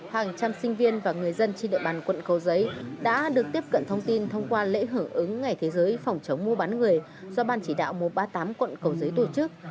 hàng trăm sinh viên và người dân trên địa bàn quận cầu giấy đã được tiếp cận thông tin thông qua lễ hưởng ứng ngày thế giới phòng chống mua bán người do ban chỉ đạo một trăm ba mươi tám quận cầu giấy tổ chức